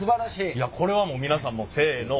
いやこれはもう皆さんせの。